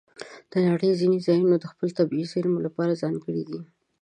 د نړۍ ځینې ځایونه د خپلو طبیعي زیرمو لپاره ځانګړي دي.